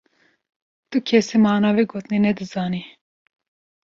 Tukesî mana vê gotine ne dizanî.